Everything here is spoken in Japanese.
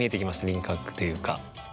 輪郭というか。